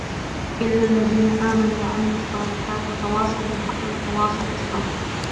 إِلَّا الَّذِينَ آمَنُوا وَعَمِلُوا الصَّالِحَاتِ وَتَوَاصَوْا بِالْحَقِّ وَتَوَاصَوْا بِالصَّبْرِ